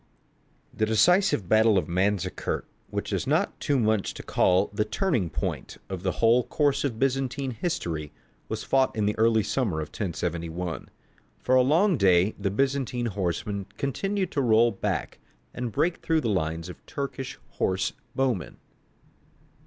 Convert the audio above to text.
_) The decisive battle of Manzikert, which it is not too much to call the turning point of the whole course of Byzantine history, was fought in the early summer of 1071. For a long day the Byzantine horsemen continued to roll back and break through the lines of Turkish horse bowmen.